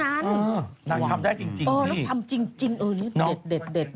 นางทำได้จริงพี่เออนางทำจริงเออเด็ด